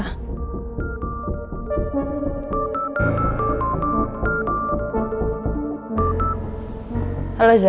lalu mau berpengaruh dengan saya